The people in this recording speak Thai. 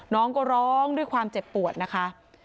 น้องก็ร้องด้วยความเจ็บปวดนะคะ